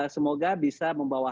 semoga bisa membawa